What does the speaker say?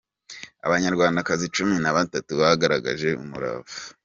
Abanyarwandakazi cumi na batatu bagaragaje umurava